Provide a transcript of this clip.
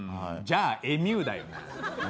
じゃあエミューだよ。